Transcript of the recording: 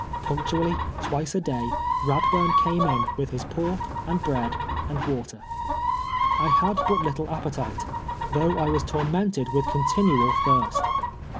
Punctually, twice a day, Eadburn came in, with his pork, and bread, and water. I had but little appetite, though I A\ as tormented with contin ual thirst.